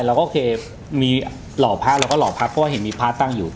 โอเคมีหล่อพระเราก็หล่อพระเพราะว่าเห็นมีพระตั้งอยู่